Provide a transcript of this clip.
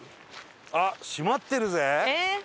あっ閉まってるぜ。